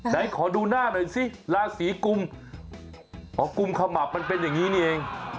ไหนขอดูหน้าหน่อยสิราศีกุมอ๋อกุมขมับมันเป็นอย่างนี้นี่เอง